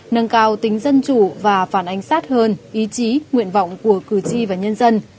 nâng cao tính dân chủ và phản ánh sát hơn ý chí nguyện vọng của cử tri và nhân dân